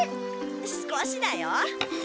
少しだよ。